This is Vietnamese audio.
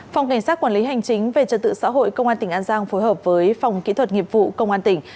phòng cảnh sát quản lý hành chính về trật tự xã hội công an tỉnh an giang phối hợp với phòng kỹ thuật nghiệp vụ công an tỉnh